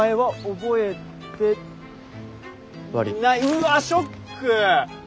うわショック。